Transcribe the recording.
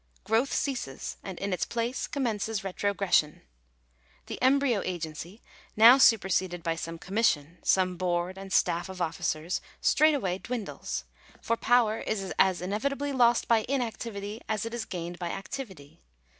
Growth ceases ; and in its place commences retrogression. The embryo agency now super seded by some commission — some board and staff of officers, straightway dwindles ; for power is as inevitably lost by inac tivity as it is gained by activity.